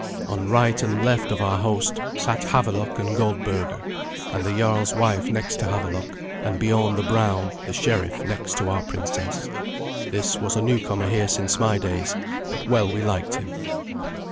On right and left of our host sat Havelok and Goldberga, and the jarl's wife next to Havelok, and Biorn the Brown, the sheriff, next to our princess. This was a newcomer here since my days, but well we liked him.